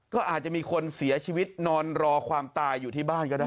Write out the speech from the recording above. ก็อาจจะมีคนเสียชีวิตนอนรอความตายอยู่ที่บ้านก็ได้